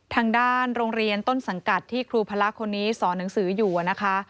ทางด้านโรงเรียนต้นสังกัดที่ครูพละคนนี้สอนหนังสืออยู่นะคะ